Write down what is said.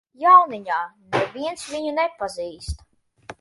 Jauniņā, neviens viņu nepazīst.